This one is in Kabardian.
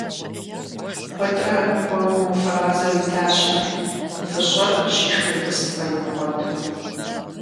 Куэдрэ уэгум уфэразэу итащ ар, выщӀэр щишхын тӀысыпӀэ имыгъуэту.